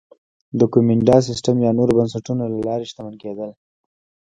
د کومېنډا سیستم یا نورو بنسټونو له لارې شتمن کېدل